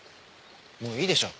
もういいでしょう。